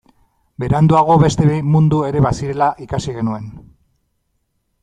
Beranduago beste bi mundu ere bazirela ikasi genuen.